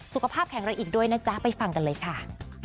สุขภาพแข็งแรงอีกด้วยนะจ๊ะไปฟังกันเลยค่ะ